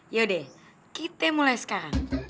yaudah kita mulai sekarang